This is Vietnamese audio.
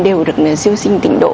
đều được siêu sinh tỉnh độ